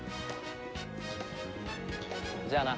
じゃあな。